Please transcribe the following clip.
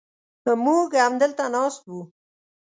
موږ همدلته ناست و.